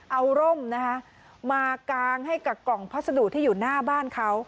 เอาร่มนะคะมากางให้กับกล่องพัสดุที่อยู่หน้าบ้านเขา